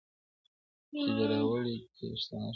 چي دي راوړې کیسه ناښاده -